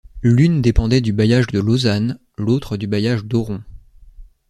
L'une dépendait du bailliage de Lausanne, l'autre du bailliage d'Oron.